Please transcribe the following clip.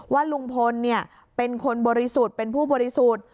ว่าลุงพลเป็นคนบริสุทธิ์เป็นผู้บริสุทธิ์